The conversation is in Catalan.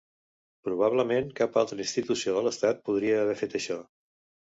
Probablement cap altra institució de l'Estat podria haver fet això.